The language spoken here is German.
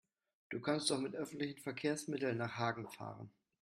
Du kannst doch mit öffentlichen Verkehrsmitteln nach Hagen fahren